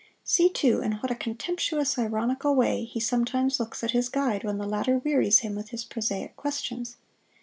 See, too, in what a contemptuous, ironical way he sometimes looks at his guide when the latter wearies him with his prosaic questions.